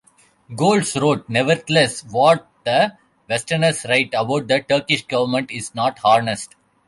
Goltz wrote: Nevertheless, what the Westerners write about the Turkish government is not honest.